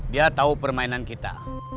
dia tahu permainan kita